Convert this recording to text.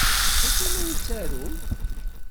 D acu ay la yettaru?